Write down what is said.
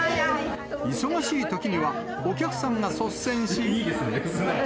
忙しいときには、お客さんが率先し。